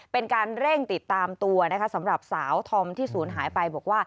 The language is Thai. เป็นการเร่งติดตามตัวสำหรับสาวธรรมที่สูญหายไป